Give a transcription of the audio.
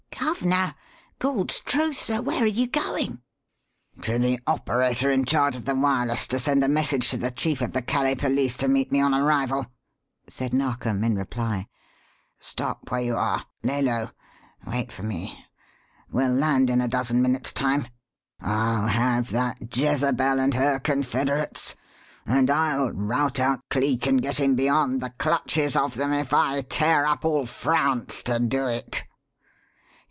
"Guv'ner! Gawd's truth, sir, where are you going?" "To the operator in charge of the wireless to send a message to the chief of the Calais police to meet me on arrival!" said Narkom in reply. "Stop where you are. Lay low! Wait for me. We'll land in a dozen minutes' time. I'll have that Jezebel and her confederates and I'll rout out Cleek and get him beyond the clutches of them if I tear up all France to do it."